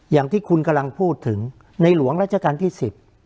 อย่างที่คุณกำลังพูดถึงในหลวงราชการที่สิบ